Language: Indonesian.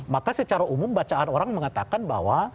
maka secara umum bacaan orang mengatakan bahwa